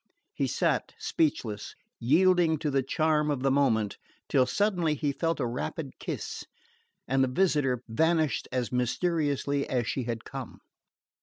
He sat speechless, yielding to the charm of the moment, till suddenly he felt a rapid kiss and the visitor vanished as mysteriously as she had come.